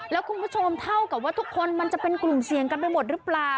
แล้วคุณผู้ชมเท่ากับว่าทุกคนมันจะเป็นกลุ่มเสี่ยงกันไปหมดหรือเปล่า